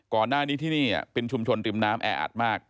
ก่อนหน้านี้ที่นี่เป็นชุมชนริมน้ำแออัดมาก